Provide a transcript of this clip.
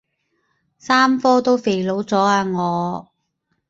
三科都肥佬咗啊我